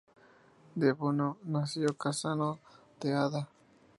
De Bono nació en Cassano d'Adda.